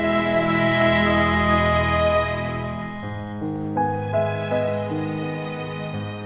dia sudah kembali ke rumah sakit